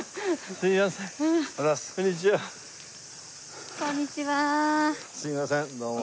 すみませんどうも。